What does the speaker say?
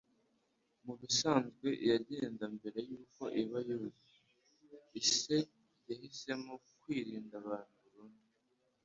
Mubisanzwe, yagenda mbere yuko iba yuzuye; ise yahisemo kwirinda abantu burundu.